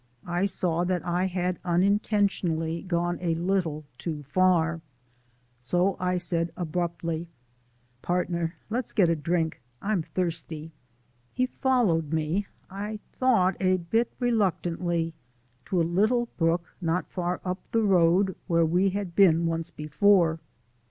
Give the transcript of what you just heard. I saw that I had unintentionally gone a little too far. So I said abruptly: "Partner, let's get a drink. I'm thirsty." He followed me, I thought a bit reluctantly, to a little brook not far up the road where we had been once before.